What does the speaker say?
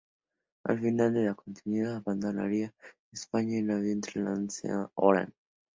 Al final de la contienda abandonaría España en avión, trasladándose a Orán.